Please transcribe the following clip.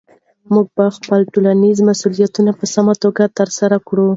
موږ به خپل ټولنیز مسؤلیت په سمه توګه ترسره کړو.